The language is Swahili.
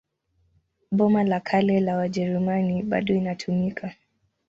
Boma la Kale la Wajerumani bado inatumika.